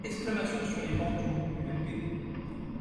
Exclamations sur les bancs du groupe UMP.